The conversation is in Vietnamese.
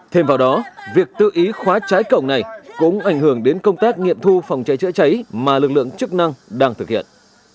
thêm vào đó việc tự ý khóa trái cầu này cũng ảnh hưởng đến công tác nghiệm thu phòng cháy chữa cháy mà lực lượng chức năng đang thực hiện